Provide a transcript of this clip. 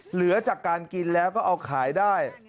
เหลือจากการกินแล้วก็เอาขายได้